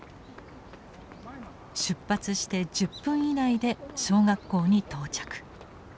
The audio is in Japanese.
出発して１０分以内で小学校に到着。